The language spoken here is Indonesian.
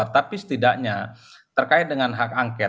tapi setidaknya terkait dengan hak angket